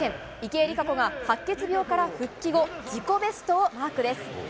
池江璃花子が白血病から復帰後、自己ベストをマークです。